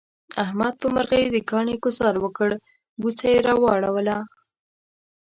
احمد په مرغی د کاڼي گذار وکړ، بوڅه یې را وړوله.